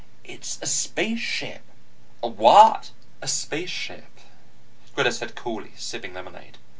It's a spaceship." "A what?" "A spaceship," Greta said coolly, sipping lemonade.